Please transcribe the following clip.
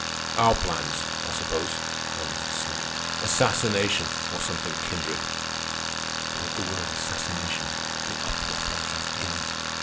"Our plans, I suppose," Ernest sneered. "Assassination or something kindred." But at the word "assassination" the uproar broke out again.